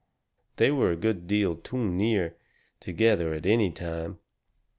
They were a good deal too near together at any time.